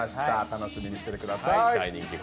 楽しみにしててください。